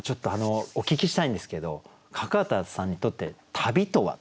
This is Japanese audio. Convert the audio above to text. お聞きしたいんですけど角幡さんにとって「旅」とは？